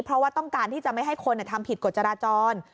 เพราะว่าต้องการที่จะไม่ให้คนทำผิดกฎจราจร